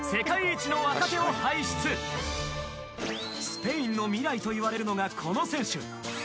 スペインの未来といわれるのがこの選手。